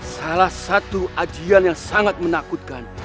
salah satu ajian yang sangat menakutkan